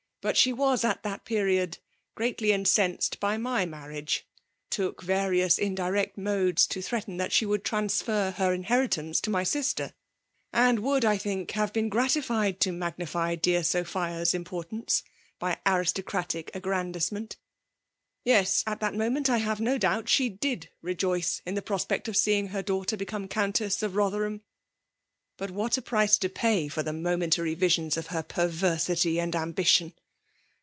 But she was at that period greatly inoensed by my marriage; took various indirect modes to threaten that she would tran^r her inherit* ance to my sister, and would, I think, have been gratified to magnify deitf Sofia's im« portance by aristocratic aj^andizemeiit. Yes; at that moment, I have no doubt she did rejoice in the prospect of seeing her dauf^ites become Countess of Botfaerhani. But what a price to pay for the momentary virions of her pervetsity and ambition!